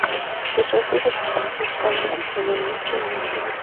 Sus restos descansan en el nicho No.